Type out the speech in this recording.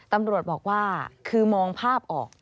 ตำรวจบอกว่าคือมองภาพออก